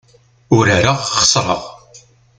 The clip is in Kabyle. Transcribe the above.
Urareɣ, xesreɣ.